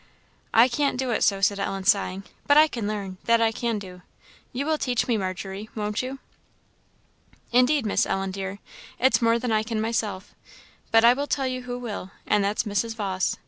"I can't do it so," said Ellen, sighing "but I can learn that I can do. You will teach me, Margery won't you?" "Indeed, Miss Ellen, dear, it's more than I can myself; but I will tell you who will, and that's Mrs. Vawse.